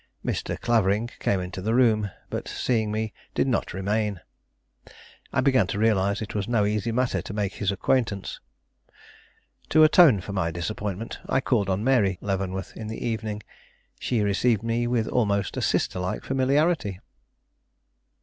Mr. Clavering came into the room, but, seeing me, did not remain. I began to realize it was no easy matter to make his acquaintance. To atone for my disappointment, I called on Mary Leavenworth in the evening. She received me with almost a sister like familiarity.